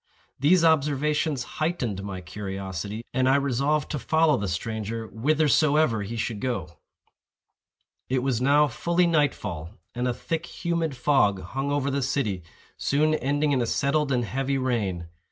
These observations heightened my curiosity, and I resolved to follow the stranger whithersoever he should go. It was now fully night fall, and a thick humid fog hung over the city, soon ending in a settled and heavy rain.